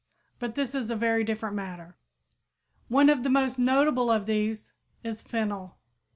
But this is a very different matter. One of the most notable of these is fennel.